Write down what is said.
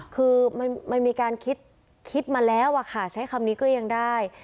คือมันมีการคิดมาแล้วอะค่ะใช้คำนี้ก็ยังได้